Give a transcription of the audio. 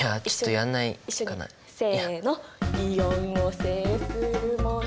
せの。